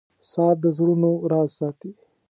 • ساعت د زړونو راز ساتي.